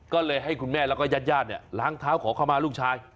ก็เลยให้คุณแม่แล้วก็ยาดล้างเท้าขอเข้ามาลูกชาย